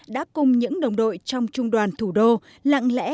đã cùng những đồng đội trong trung đoàn thủ đô lặng lẽ